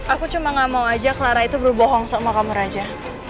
aku cuma gak mau aja clara itu berbohong sama kamar raja